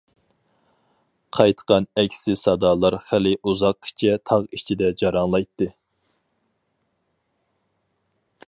قايتقان ئەكسى سادالار خىلى ئۇزاققىچە تاغ ئىچىدە جاراڭلايتتى.